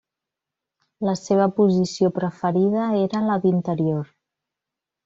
La seva posició preferida era la d'interior.